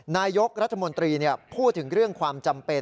นายกรัฐมนตรีพูดถึงเรื่องความจำเป็น